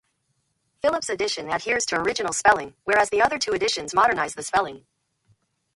Phillipps' edition adheres to original spelling, whereas the other two editions modernise the spelling.